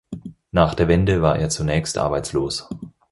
Nach der Wende war er zunächst arbeitslos.